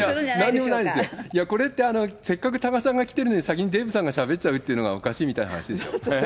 これ、せっかく多賀さんが来てるのに、先にデーブさんがしゃべっちゃうのがおかしいみたいな話でしょ。